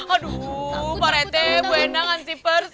aduh pak rt bu hendang hansipers